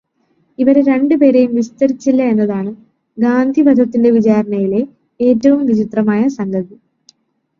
ഇവരെ രണ്ടുപേരെയും വിസ്തരിച്ചില്ല എന്നതാണ് ഗാന്ധിവധത്തിന്റെ വിചാരണയിലെ ഏറ്റവും വിചിത്രമായ സംഗതി.